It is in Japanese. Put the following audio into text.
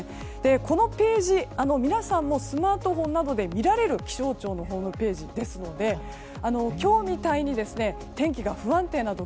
このページ、皆さんもスマートフォンなどで見られる気象庁のホームページですので今日みたいに天気が不安定な時